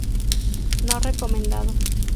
No recomendado.